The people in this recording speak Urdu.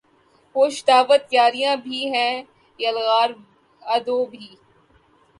خوش دعوت یاراں بھی ہے یلغار عدو بھی